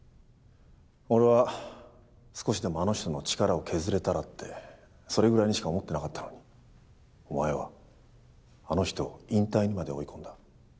俺は少しでもあの人の力を削れたらってそれぐらいにしか思ってなかったのにお前はあの人を引退にまで追い込んだ。